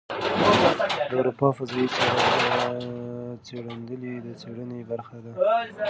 د اروپا فضايي څېړندلې د څېړنې برخه ده.